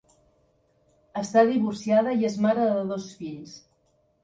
Està divorciada i és mare de dos fills.